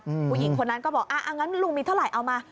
ผู้หญิงคนนั้นก็บอกอ่างั้นลุงมีเท่าไหร่เอามา